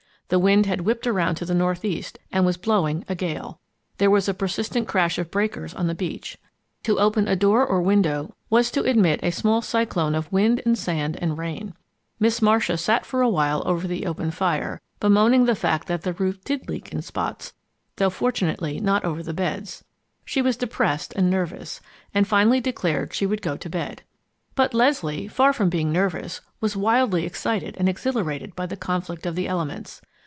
The wind had whipped around to the northeast and was blowing a gale. There was a persistent crash of breakers on the beach. To open a door or window was to admit a small cyclone of wind and sand and rain. Miss Marcia sat for a while over the open fire, bemoaning the fact that the roof did leak in spots, though fortunately not over the beds. She was depressed and nervous, and finally declared she would go to bed. But Leslie, far from being nervous, was wildly excited and exhilarated by the conflict of the elements.